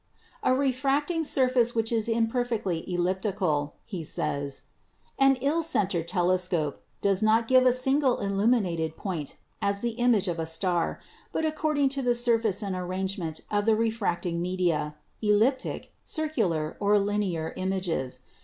"A refracting surface which is imperfectly elliptical," he says, "an ill centered telescope, does not give a single illu minated point as the image of a star, but according to the surface and arrangement of the refracting media, elliptic, circular, or linear images.